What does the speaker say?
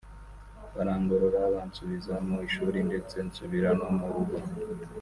barangorora bansubiza mu ishuri ndetse nsubira no mu rugo